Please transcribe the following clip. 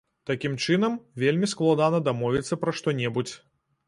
Такім чынам, вельмі складана дамовіцца пра што-небудзь.